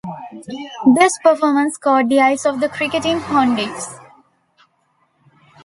This performance caught the eyes of the cricketing pundits.